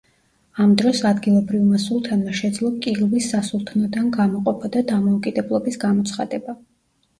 ამ დროს ადგილობრივმა სულთანმა შეძლო კილვის სასულთნოდან გამოყოფა და დამოუკიდებლობის გამოცხადება.